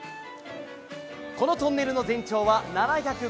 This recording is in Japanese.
このトンネルの全長は７５０ｍ。